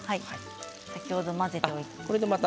先ほど混ぜておいた。